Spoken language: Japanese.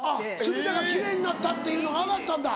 隅田が奇麗になったっていうのが上がったんだ。